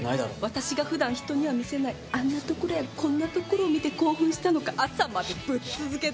私が普段、人には見せないあんなところやこんなところを見て興奮したのか朝までぶっ続けで。